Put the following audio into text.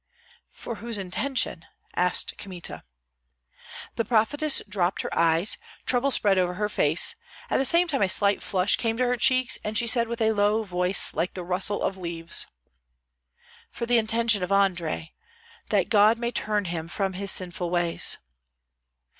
"For whose intention?" asked Kmita. The prophetess dropped her eyes, trouble spread over her face; at the same time a slight flush came to her cheeks, and she said with a low voice, like the rustle of leaves, "For the intention of Andrei, that God may turn him from sinful ways."